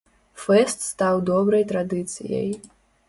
Фэст стаў добрай традыцыяй.